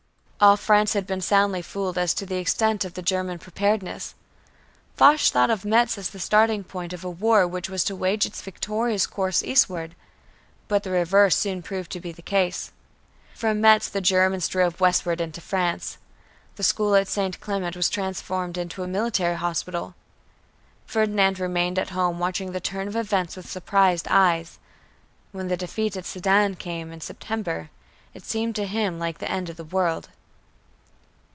All France had been soundly fooled as to the extent of the German preparedness. Foch thought of Metz as the starting point of the war which was to wage its victorious course eastward. But the reverse soon proved to be the case. From Metz the Germans drove westward into France. The school at St. Clement was transformed into a military hospital. Ferdinand remained at home watching the turn of events with surprised eyes. When the defeat at Sedan came, in September, it seemed to him like the end of the world.